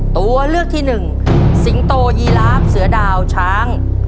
ตัวเลือกที่หนึ่งสิงโตยีลาฟเสือดาวช้าง